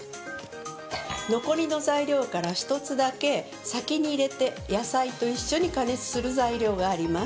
残りの材料から１つだけ先に入れて野菜と一緒に加熱する材料があります。